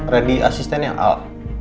randy asisten yang al